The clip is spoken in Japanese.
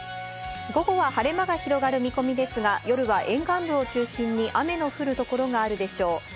午後は晴れ間が広がる見込みですが夜は沿岸部を中心に雨の降る所があるでしょう。